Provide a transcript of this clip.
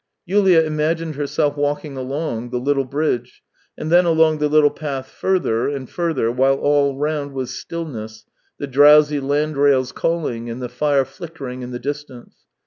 Yulia imagined walking herself along the little bridge, and then along the little path further and further, while all round was stillness, the drowsy landrails cidling and the fire flickering in the distance.